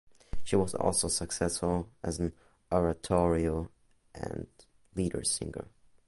She was also successful as an oratorio and lieder singer.